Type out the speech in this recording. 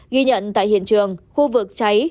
ghi nhận tại hiện trường khu vực cháy